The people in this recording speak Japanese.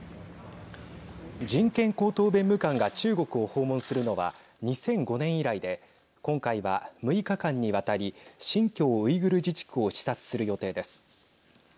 人権高等弁務官が中国を訪問するのは２００５年以来で今回は６日間にわたり新疆ウイグル自治区を視察する予定です。